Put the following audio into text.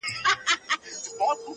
زه په خپل ځان کي بندي د خپل زندان یم-